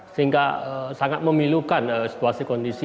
sehingga sangat memilukan situasi kondisi